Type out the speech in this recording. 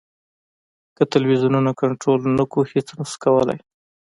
که ټلویزیونونه کنټرول نه کړو هېڅ نه شو کولای.